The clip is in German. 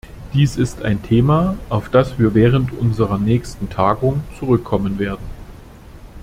Dies ist ein Thema, auf das wir während unserer nächsten Tagung zurückkommen werden.